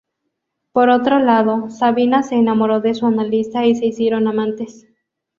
Por otro lado, Sabina se enamoró de su analista y se hicieron amantes.